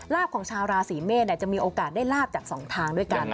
ของชาวราศีเมษจะมีโอกาสได้ลาบจากสองทางด้วยกัน